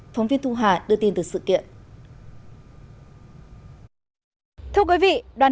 phóng viên thu hà đưa tin từ sự kiện